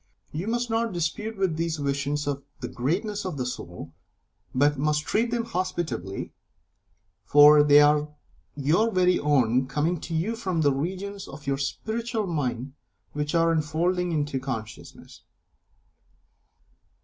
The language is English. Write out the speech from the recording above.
You must not dispute with these visions of the greatness of the soul, but must treat them hospitably, for they are your very own, coming to you from the regions of your Spiritual Mind which are unfolding into consciousness.